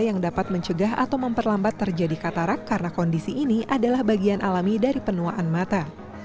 yang dapat mencegah atau memperlambat terjadi katarak karena kondisi ini adalah bagian alami dari penuaan mata